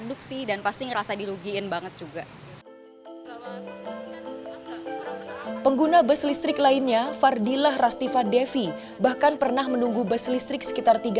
untuk menaiki transportasi online